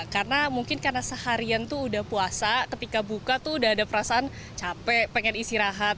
karena mungkin karena seharian tuh udah puasa ketika buka tuh udah ada perasaan capek pengen isi rahat